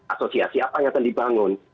asosiasi apa yang akan dibangun